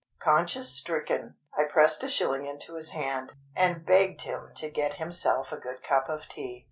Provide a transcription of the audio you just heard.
Conscience stricken, I pressed a shilling into his hand, and begged him to get himself a good cup of tea.